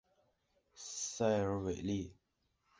塞尔维利。